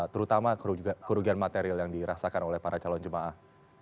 terutama kerugian material yang dirasakan oleh para calon jemaah